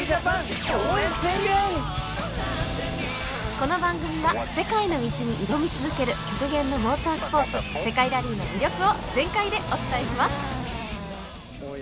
この番組は世界の道に挑み続ける極限のモータースポーツ世界ラリーの魅力を全開でお伝えします。